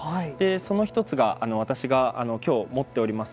その１つが私が今日持っております